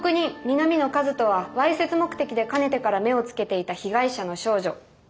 南野一翔はわいせつ目的でかねてから目をつけていた被害者の少女